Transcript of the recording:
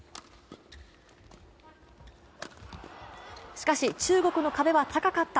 しかし、中国の壁は高かった。